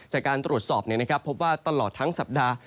จากการตรวจสอบพบว่าตลอดทั้งสัปดาห์